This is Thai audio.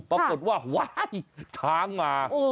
ปรากฏว่าว้ายช้างมา